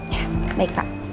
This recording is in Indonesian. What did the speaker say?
ya baik pak